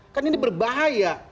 kan ini berbahaya